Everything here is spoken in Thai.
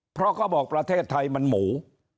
เพราะเขาบอกประเทศไทยมันหมู